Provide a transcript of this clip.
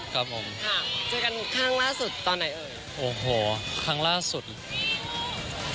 เจอกันข้างล่าสุดตอนไหนเอ่ย